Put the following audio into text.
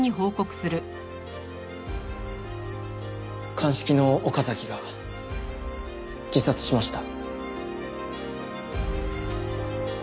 鑑識の岡崎が自殺しました。